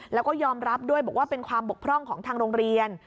แล้วก็ยอมรับด้วยบอกว่าเป็นความบกพร่องของทางโรงเรียน